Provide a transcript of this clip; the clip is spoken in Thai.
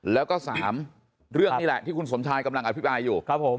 แล้วก็๓เรื่องนี่แหละที่คุณสมชายกำลังอภิปรายอยู่